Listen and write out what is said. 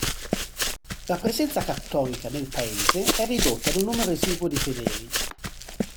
La presenza cattolica nel Paese è ridotta ad un numero esiguo di fedeli.